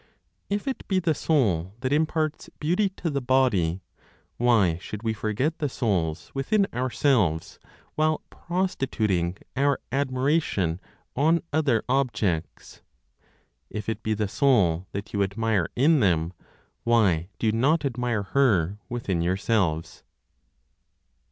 If it be the Soul that imparts beauty to the body, why should we forget the souls within ourselves, while prostituting our admiration on other objects? If it be the soul that you admire in them, why do you not admire her within yourselves?